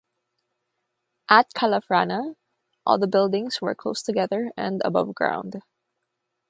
At Kalafrana, all the buildings were close together and above ground.